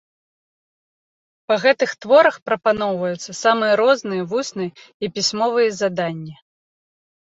Па гэтых творах прапаноўваюцца самыя розныя вусныя і пісьмовыя заданні.